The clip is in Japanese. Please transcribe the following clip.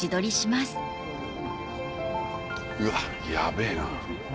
うわヤベェな。